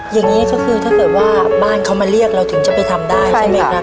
อย่างนี้ก็คือถ้าเกิดว่าบ้านเขามาเรียกเราถึงจะไปทำได้ใช่ไหมครับ